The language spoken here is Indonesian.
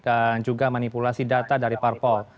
juga manipulasi data dari parpol